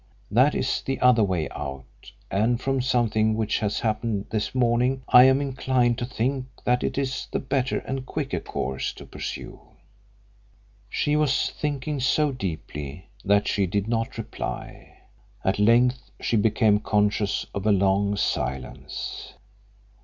That is the other way out, and from something which has happened this morning I am inclined to think that it is the better and quicker course to pursue." She was thinking so deeply that she did not reply. At length she became conscious of a long silence.